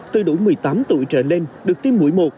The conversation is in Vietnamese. từ đủ một mươi tám tuổi trở lên được tiêm mũi một